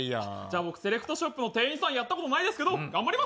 僕、セレクトショップの店員さんやったことないですけど頑張ります。